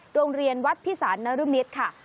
โรงเรียนวัดพิสารนรมิตรค่ะ